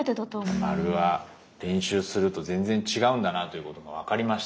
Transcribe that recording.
丸は練習すると全然違うんだなということが分かりました。